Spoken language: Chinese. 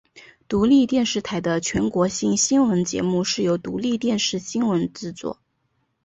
独立电视台的全国性新闻节目是由独立电视新闻制作。